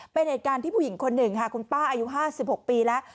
เป็นเหตุการณ์ที่ผู้หญิงคนหนึ่งค่ะคุณป้าอายุ๕๖ปีแล้ว